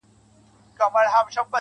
اوس هغه بل كور كي اوسيږي كنه.